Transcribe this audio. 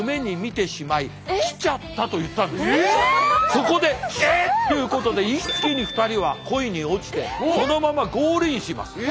そこで「えっ！？」っていうことで一気に２人は恋に落ちてそのままゴールインします。